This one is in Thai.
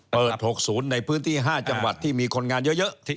เปิด๖ศูนย์ในพื้นที่๕จังหวัดที่มีคนงานเยอะ